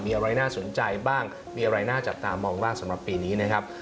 มีอะไรน่าสนใจบ้างมีอะไรน่าจับตามองบ้างสำหรับปีนี้นะครับ